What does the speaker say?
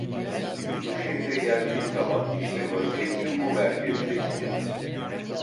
Bu şehre geldiğim zaman işte vaziyetim bu merkezde idi.